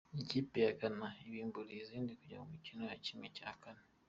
Ikipe ya gana ibimburiye izindi kujya mu mikino ya kimwe cyakane